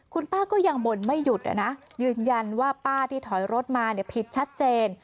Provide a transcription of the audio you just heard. คุณป้าก็ยังบ่นไม่หยุดนะยืนยันว่าป้าที่ถอยรถมาผิดชัดเจน